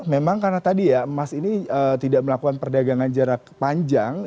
memang karena tadi ya emas ini tidak melakukan perdagangan jarak panjang